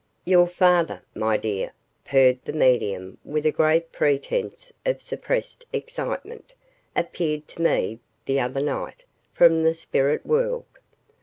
"Your father, my dear," purred the medium with a great pretence of suppressed excitement, "appeared to me, the other night, from the spirit world.